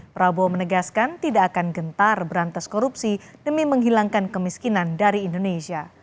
prabowo menegaskan tidak akan gentar berantas korupsi demi menghilangkan kemiskinan dari indonesia